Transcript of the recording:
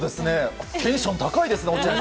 テンションが高いですね。